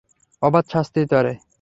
অবাধ শান্তির তরে!